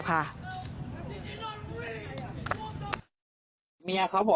กลับมารับทราบ